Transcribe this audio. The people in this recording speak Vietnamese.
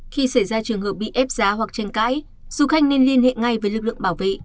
khi xảy ra trường hợp bị ép giá hoặc tranh cãi du khách nên liên hệ ngay với lực lượng bảo vệ